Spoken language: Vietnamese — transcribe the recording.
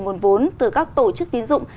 nguồn vốn từ các tổ chức tín dụng